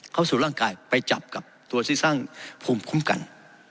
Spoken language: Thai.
เข้าสู่ร่างกายไปจับกับตัวที่สร้างภูมิคุ้มกัน